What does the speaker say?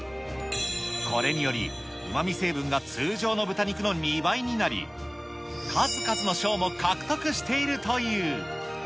これにより、うまみ成分が通常の豚肉の２倍になり、数々の賞も獲得しているという。